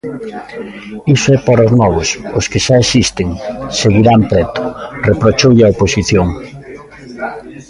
"Iso é para os novos, os que xa existen, seguirán preto", reprochoulle a oposición.